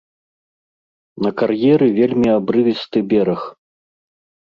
На кар'еры вельмі абрывісты бераг.